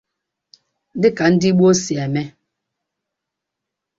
dịka ndi gboo si eme